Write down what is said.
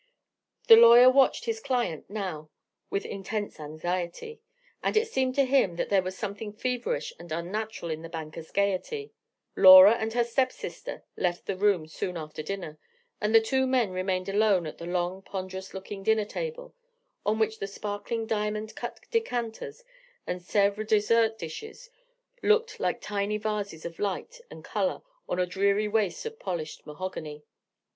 The lawyer watched his client now with intense anxiety; and it seemed to him that there was something feverish and unnatural in the banker's gaiety. Laura and her step sister left the room soon after dinner: and the two men remained alone at the long, ponderous looking dinner table, on which the sparkling diamond cut decanters and Sèvres dessert dishes looked like tiny vases of light and colour on a dreary waste of polished mahogany.